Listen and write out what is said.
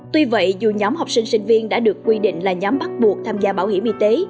tuy vậy dù nhóm học sinh sinh viên đã được quy định là nhóm bắt buộc tham gia bảo hiểm y tế